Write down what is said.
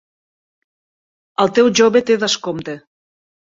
El teu jove té descompte.